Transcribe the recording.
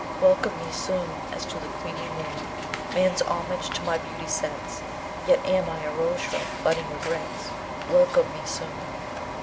Welcome me soon! As to the queenly moon, Man's homage to my beauty sets; Yet am I a rose shrub budding regrets: Welcome me soon.